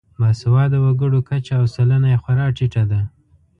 باسواده وګړو کچه او سلنه یې خورا ټیټه ده.